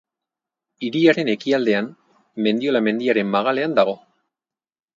Hiriaren ekialdean, Mendiola mendiaren magalean dago.